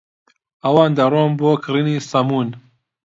ئەوان دەڕۆن بۆ کرینی سەموون.